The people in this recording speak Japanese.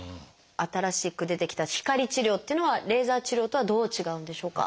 新しく出てきた光治療っていうのはレーザー治療とはどう違うんでしょうか？